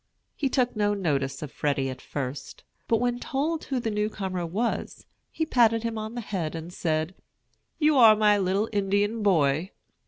He took no notice of Freddy at first, but when told who the newcomer was, he patted him on the head and said, "You are my little Indian boy."